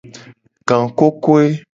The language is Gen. Gangkokoe.